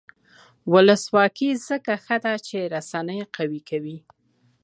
ولسواکي ځکه ښه ده چې رسنۍ قوي کوي.